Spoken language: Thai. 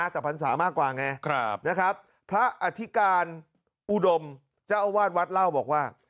แต่พรรษามากกว่าไงนะครับพระอธิการอุดมเจ้าอาวาสวัดเล่าบอกว่า